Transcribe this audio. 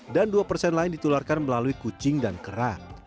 dan dua persen lain ditularkan melalui kucing dan kerak